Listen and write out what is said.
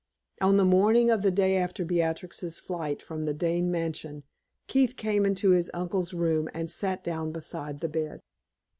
On the morning of the day after Beatrix's flight from the Dane mansion, Keith came into his uncle's room, and sat down beside the bed.